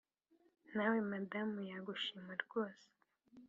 nawe madamu yagushima rwose